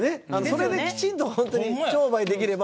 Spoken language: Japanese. それできちんと商売ができれば。